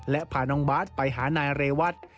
และพาน้องบาทไปหานายเรวัต